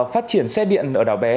phát triển xe điện ở đảo bé